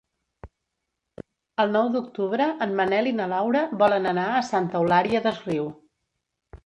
El nou d'octubre en Manel i na Laura volen anar a Santa Eulària des Riu.